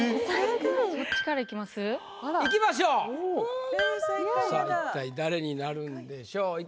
さあ一体誰になるんでしょう？